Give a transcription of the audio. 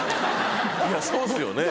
いやそうですよね。